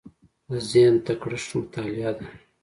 د ذهن تکړښت مطالعه ده.